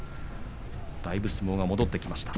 だいぶ相撲が戻ってきました。